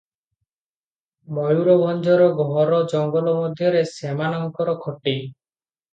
ମୟୁରଭଞ୍ଜର ଘୋର ଜଙ୍ଗଲ ମଧ୍ୟରେ ସେମାନଙ୍କର ଖଟି ।